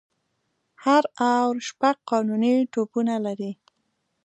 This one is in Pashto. هر آور شپږ قانوني توپونه لري.